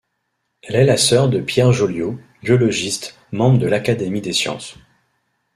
Elle est la sœur de Pierre Joliot, biologiste, membre de l'Académie des sciences.